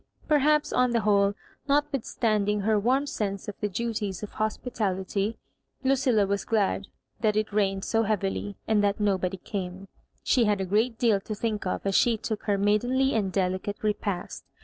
Perhaps, on the whole, notwithstanding her warm sense of the duties of hospitality, Lucilla was glad that it rained so heavily, and that nobody came; She had a great deal to think of as she took her maidenly and delicate repast.